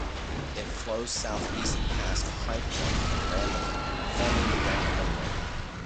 It flows southeast past High Point and Randleman, forming the Randleman Lake.